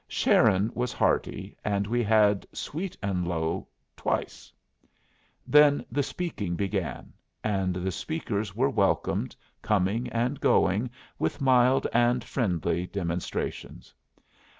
Sharon was hearty, and we had "Sweet and Low" twice. Then the speaking began, and the speakers were welcomed, coming and going, with mild and friendly demonstrations.